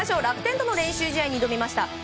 楽天との練習試合に挑みました